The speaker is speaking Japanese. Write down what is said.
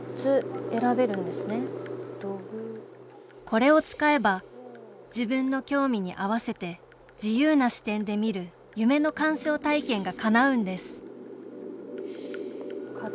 これを使えば自分の興味に合わせて自由な視点で見る夢の鑑賞体験がかなうんです甲冑。